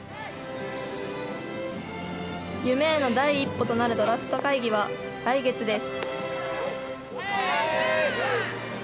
夢への第一歩となるドラフト会議は、来月です。